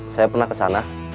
saya pernah kesana